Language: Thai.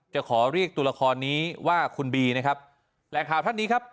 จะขอเรียกตัวละครนี้ว่าคุณบีนะครับแหล่งข่าวท่านนี้ครับ